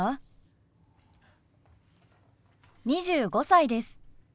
２５歳です。